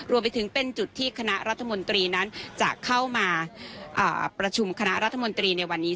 รวมไปถึงเป็นจุดที่คณะรัฐมนตรีนั้นจะเข้ามาประชุมคณะรัฐมนตรีในวันนี้